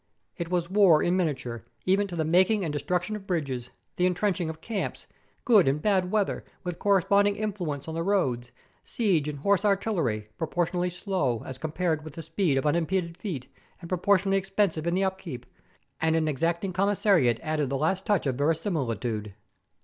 It was war in miniature, even to the making and destruction of bridges; the entrenching of camps; good and bad weather, with corresponding influence on the roads; siege and horse artillery, proportionately slow, as compared with the speed of unimpeded foot, and proportionately expensive in the upkeep; and an exacting commissariat added the last touch of verisimilitude.'